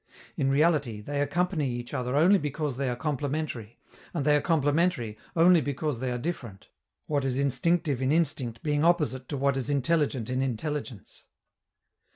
In reality, they accompany each other only because they are complementary, and they are complementary only because they are different, what is instinctive in instinct being opposite to what is intelligent in intelligence.